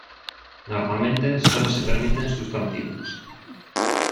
Normalmente sólo se permiten sustantivos.